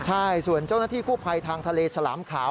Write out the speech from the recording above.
ใช่ส่วนเจ้าหน้าที่กู้ภัยทางทะเลฉลามขาว